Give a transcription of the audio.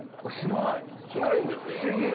しないんですよ。